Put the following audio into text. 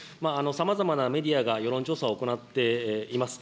さまざまなメディアが世論調査を行っています。